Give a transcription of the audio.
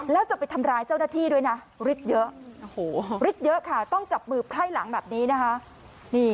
แล้วจะไปทำร้ายเจ้าหน้าที่ด้วยนะริดเยอะต้องจับมือไข้หลังแบบนี้นะคะ